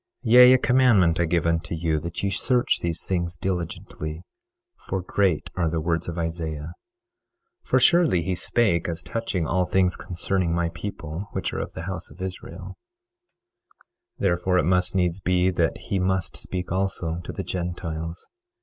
Yea, a commandment I give unto you that ye search these things diligently; for great are the words of Isaiah. 23:2 For surely he spake as touching all things concerning my people which are of the house of Israel; therefore it must needs be that he must speak also to the Gentiles.